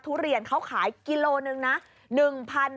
ทุเรียนเขาขายกิโลหนึ่งนะ